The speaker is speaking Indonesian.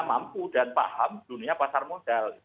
mampu dan paham dunia pasar modal